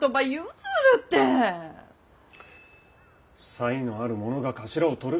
才のある者が頭をとる。